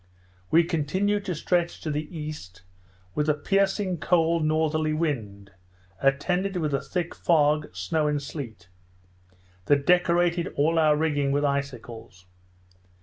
We continued to stretch to the east, with a piercing cold northerly wind, attended with a thick fog, snow, and sleet, that decorated all our rigging with icicles.